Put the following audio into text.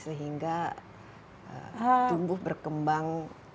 sehingga tumbuh berkembang